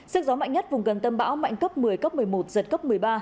sức gió mạnh nhất vùng gần tâm bão mạnh cấp một mươi cấp một mươi một giật cấp một mươi ba